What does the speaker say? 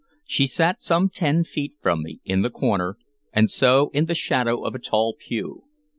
She sat some ten feet from me, in the corner, and so in the shadow of a tall pew.